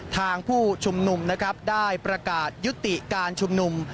ผู้ชุมนุมนะครับได้ประกาศยุติการชุมนุม